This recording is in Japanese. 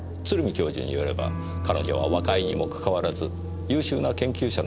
教授によれば彼女は若いにもかかわらず優秀な研究者のはずですが？